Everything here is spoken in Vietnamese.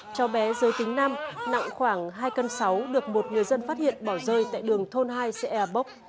cháu bé rơi tính năm nặng khoảng hai cân sáu được một người dân phát hiện bỏ rơi tại đường thôn hai xe e bốc